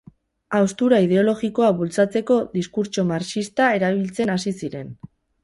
Haustura ideologikoa bultzatzeko diskurtso marxista erabiltzen hasi ziren.